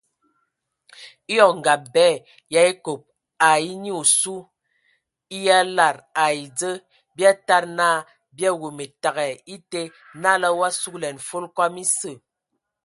Eyɔŋ ngab bɛ yə a ekob ai e nyi osu yə a e lada ai dzə bi a tadi na bi aweme təgɛ ete, nala o a sugəlɛn fol kɔm esə.